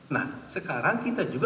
nah sekarang kita juga